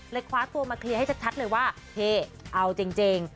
คว้าตัวมาเคลียร์ให้ชัดเลยว่าเฮ่เอาจริง